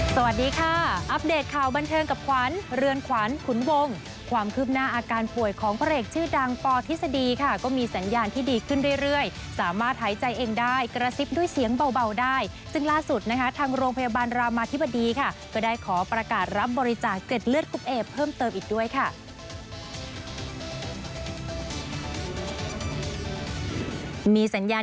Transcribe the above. สวัสดีค่ะอัปเดตข่าวบันเทิงกับขวัญเรือนขวัญขุนวงความคืบหน้าอาการป่วยของพระเอกชื่อดังปทฤษฎีค่ะก็มีสัญญาณที่ดีขึ้นเรื่อยสามารถหายใจเองได้กระซิบด้วยเสียงเบาได้ซึ่งล่าสุดนะคะทางโรงพยาบาลรามาธิบดีค่ะก็ได้ขอประกาศรับบริจาคเจ็ดเลือดกุ๊กเอเพิ่มเติมอีกด้วยค่ะ